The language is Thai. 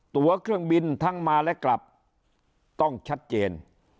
ตัวเครื่องบินทั้งมาและกลับต้องชัดเจน